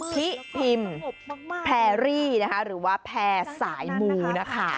พี่พิมพรีรี่หรือว่าแพรสายมู๋นะคะ